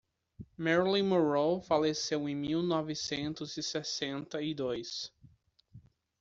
Marilyn Monroe faleceu em mil novecentos e sessenta e dois.